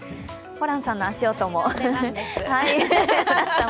ホランさんの足音も。